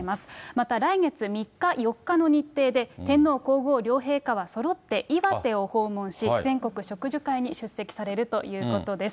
また来月３日、４日の日程で、天皇皇后両陛下はそろって岩手を訪問し、全国植樹会に出席されるということです。